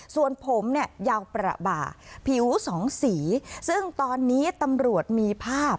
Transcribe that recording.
ส่วนผมเนี่ยยาวประบาผิวสองสีซึ่งตอนนี้ตำรวจมีภาพ